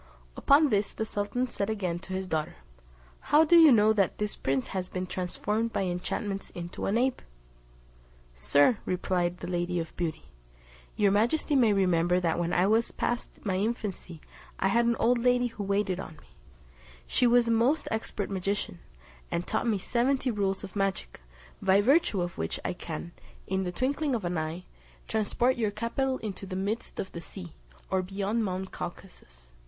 Upon this the sultan said again to his daughter, "How do you know that this prince has been transformed by enchantments into an ape?" "Sir," replied the Lady of Beauty, "your majesty may remember that when I was past my infancy I had an old lady who waited on me; she was a most expert magician, and taught me seventy rules of magic, by virtue of which I can, in the twinkling of an eye, transport your capital into the midst of the sea, or beyond mount Caucasus.